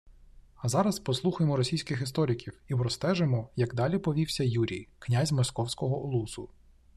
А зараз послухаймо російських істориків і простежмо, як далі повівся Юрій, князь Московського улусу